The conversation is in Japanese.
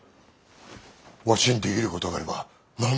わしにできることがあれば何でも申せ。